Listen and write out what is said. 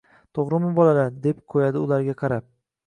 To‘g‘rimi bolalar, deb qo‘yadi ularga qarab.